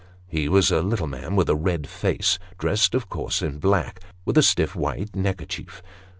He was a little man with a red face, dressed of course in black, with a stiff white neckerchief.